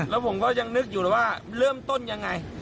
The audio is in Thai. แล้วผมก็ยังนึกอยู่เลยว่าเริ่มต้นยังไง